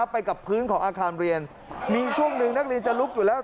ไปกับพื้นของอาคารเรียนมีช่วงหนึ่งนักเรียนจะลุกอยู่แล้ว